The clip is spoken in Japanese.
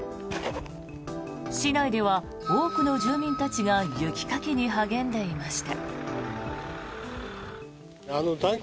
市内では多くの住民たちが雪かきに励んでいました。